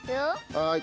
はい。